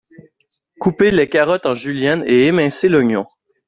couper les carottes en julienne et émincer l’oignon.